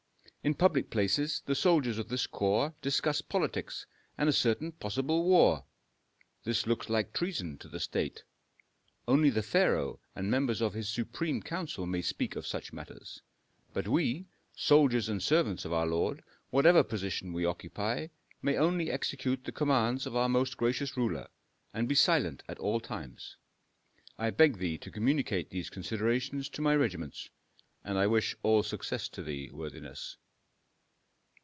In public places the soldiers of this corps discuss politics and a certain possible war. This looks like treason to the state. Only the pharaoh and members of his supreme council may speak of such matters. But we, soldiers and servants of our lord, whatever position we occupy, may only execute the commands of our most gracious ruler, and be silent at all times. I beg thee to communicate these considerations to my regiments, and I wish all success to thee, worthiness."